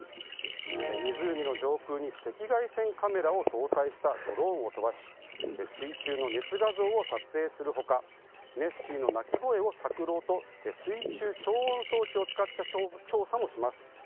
湖の上空に赤外線カメラを搭載したドローンを飛ばし水中の熱画像を撮影する他ネッシーの鳴き声を探ろうと水中聴音装置を使った調査もします。